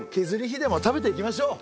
ひでも食べていきましょう。